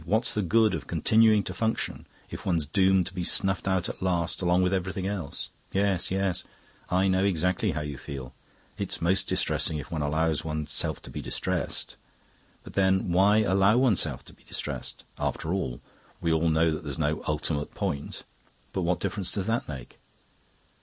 What's the good of continuing to function if one's doomed to be snuffed out at last along with everything else?' Yes, yes. I know exactly how you feel. It's most distressing if one allows oneself to be distressed. But then why allow oneself to be distressed? After all, we all know that there's no ultimate point. But what difference does that make?"